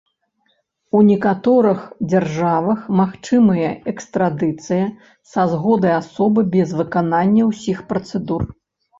У некаторых дзяржавах магчымая экстрадыцыя са згоды асобы без выканання ўсіх працэдур.